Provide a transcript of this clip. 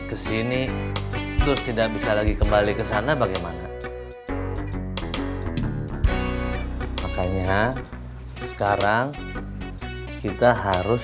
kesini terus tidak bisa lagi kembali ke sana bagaimana makanya sekarang kita harus